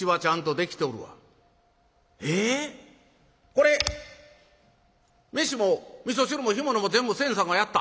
これ飯もみそ汁も干物も全部信さんがやった？